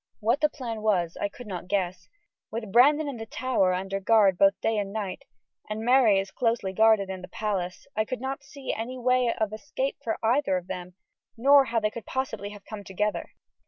What the plan was I could not guess. With Brandon in the Tower under guard both day and night, and Mary as closely guarded in the palace, I could not see any way of escape for either of them, nor how they could possibly have come together.